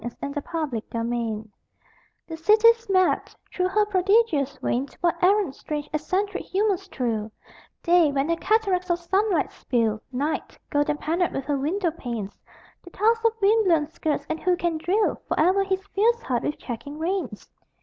OF HER GLORIOUS MADNESS The city's mad: through her prodigious veins What errant, strange, eccentric humors thrill: Day, when her cataracts of sunlight spill Night, golden panelled with her window panes; The toss of wind blown skirts; and who can drill Forever his fierce heart with checking reins?